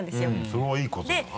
それはいいことじゃない？